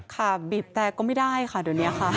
ค่ะบีบแรกก็ไม่ได้ค่ะดังนี้ค่ะ